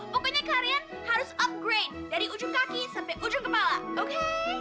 pokoknya kalian harus upgrade dari ujung kaki sampe ujung kepala oke